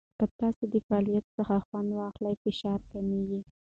که تاسو د فعالیت څخه خوند واخلئ، فشار کمېږي.